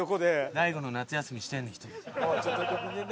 大悟の夏休みしてんねん１人で。